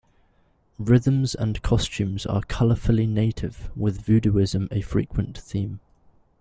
Rhythms and costumes are colorfully native, with voodooism a frequent theme.